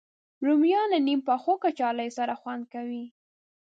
رومیان له نیم پخو کچالو سره خوند کوي